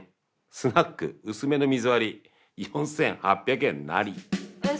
スナック薄めの水割り４８００円也。